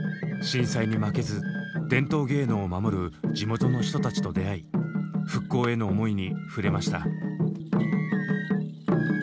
震災に負けず伝統芸能を守る地元の人たちと出会い復興への思いに触れました。